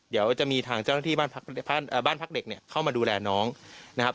เดี๋ยวจะมีทางเจ้าหน้าที่บ้านพักเด็กเนี่ยเข้ามาดูแลน้องนะครับ